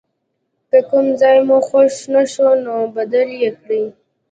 که کوم ځای مو خوښ نه شو نو بدل یې کړئ.